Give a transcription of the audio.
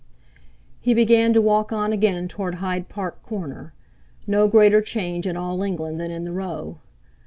He began to walk on again toward Hyde Park Corner. No greater change in all England than in the Row!